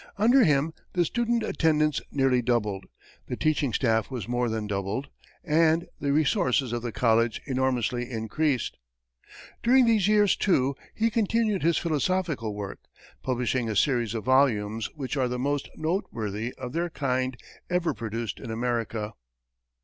Under him, the student attendance nearly doubled, the teaching staff was more than doubled, and the resources of the college enormously increased. During these years, too, he continued his philosophical work, publishing a series of volumes which are the most noteworthy of their kind ever produced in America.